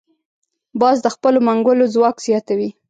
باز د خپلو منګولو ځواک زیاتوي